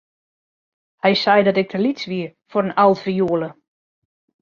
Hy sei dat ik te lyts wie foar in altfioele.